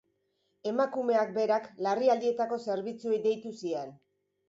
Emakumeak berak larrialdietako zerbitzuei deitu zien.